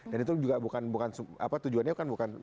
dan itu juga bukan apa tujuannya kan bukan